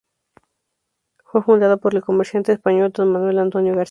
Fue fundada por el comerciante español Don Manuel Antonio García.